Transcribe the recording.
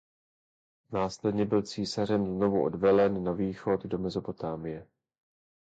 Následně byl císařem znovu odvelen na východ do Mezopotámie.